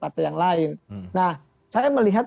partai yang lain nah saya melihat